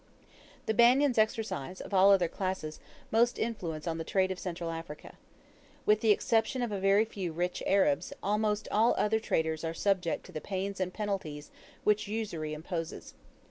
The Banyans exercise, of all other classes, most influence on the trade of Central Africa. With the exception of a very few rich Arabs, almost all other traders are subject to the pains and penalties which usury imposes.